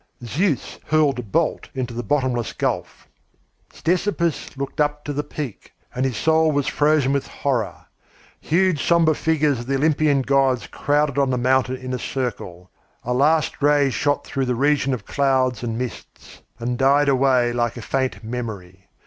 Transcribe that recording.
Zeus hurled a bolt into the bottomless gulf. Ctesippus looked up to the peak, and his soul was frozen with horror. Huge sombre figures of the Olympian gods crowded on the mountain in a circle. A last ray shot through the region of clouds and mists, and died away like a faint memory.